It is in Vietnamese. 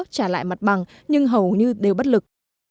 trả lại mặt bằng nhưng hầu như đều bất lực